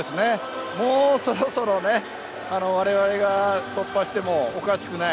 そろそろわれわれが突破してもおかしくない。